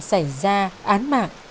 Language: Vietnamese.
xảy ra án mạng